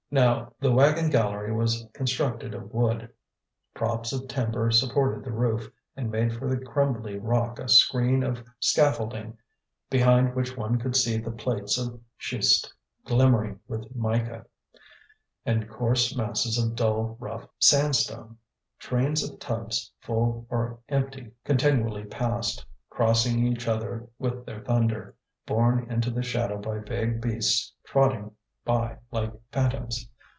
Now the wagon gallery was constructed of wood; props of timber supported the roof, and made for the crumbly rock a screen of scaffolding, behind which one could see the plates of schist glimmering with mica, and the coarse masses of dull, rough sandstone. Trains of tubs, full or empty, continually passed, crossing each other with their thunder, borne into the shadow by vague beasts trotting by like phantoms.